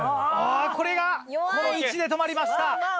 これがこの位置で止まりました。